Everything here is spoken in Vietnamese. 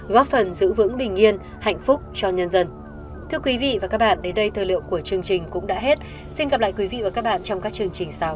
góp phần giữ vững bình yên hạnh phúc cho nhân dân